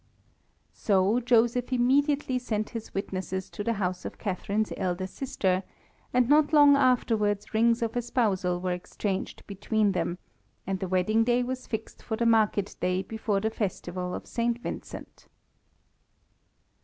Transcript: So Joseph immediately sent his witnesses to the house of Catharine's elder sister, and not long afterwards rings of espousal were exchanged between them, and the wedding day was fixed for the market day before the festival of St. Vincent.